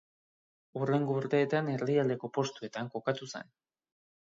Hurrengo urteetan erdialdeko postuetan kokatu zen.